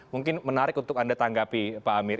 mungkin menarik untuk anda tanggapi pak amir